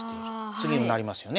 次に成りますよね。